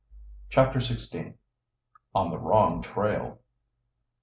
CHAPTER XVI. ON THE WRONG TRAIL.